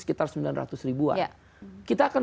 sekitar sembilan ratus ribuan kita akan